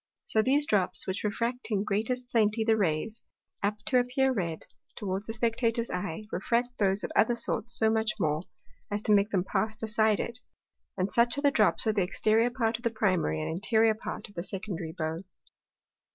So those drops, which refract in greatest plenty the Rays, apt to appear red, toward the Spectator's Eye, refract those of other sorts so much more, as to make them pass beside it; and such are the drops on the Exteriour part of the Primary, and Interiour part of the Secondary Bow.